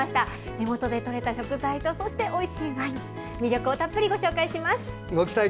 地元で取れた食材とそしてワイン魅力をたっぷりご紹介します。